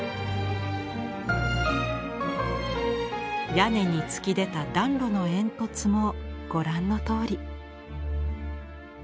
屋根に突き出た暖炉の煙突もご覧のとおり。